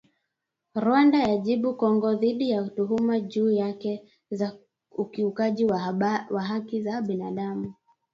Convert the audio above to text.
Rwanda yajibu Kongo dhidi ya tuhuma juu yake za ukiukaji wa haki za binadamu.